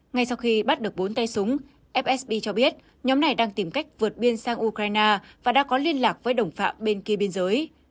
ngay sau khi bắt được bốn tay súng fsb cho biết nhóm này đang tìm cách vượt biên sang ukraine và đã có liên lạc với đồng phạm bên kia biên giới